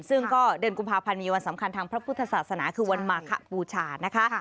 ซึ่งก็เดือนกุมภาพันธ์มีวันสำคัญทางพระพุทธศาสนาคือวันมาคบูชานะคะ